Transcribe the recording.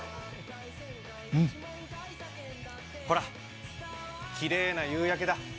うんほらキレイな夕焼けだ